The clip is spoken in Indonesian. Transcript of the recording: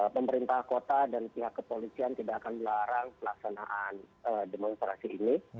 pemerintah kota dan pihak kepolisian tidak akan melarang pelaksanaan demonstrasi ini